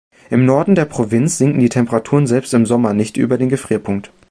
Im Norden der Provinz sinken die Temperaturen selbst im Sommer nicht über den Gefrierpunkt.